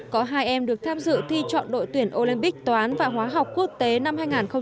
có hai em được tham dự thi chọn đội tuyển olympic toán và hóa học quốc tế năm hai nghìn một mươi tám